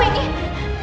man ada apa ini